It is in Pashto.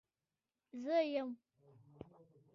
زه يم.